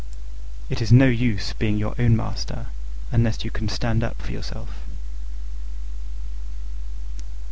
It is no use being your own master unless you can stand up for yourself.